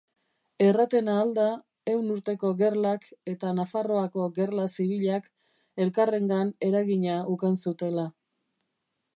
Erraten ahal da Ehun Urteko Gerlak eta Nafarroako gerla zibilak elkarrengan eragina ukan zutela.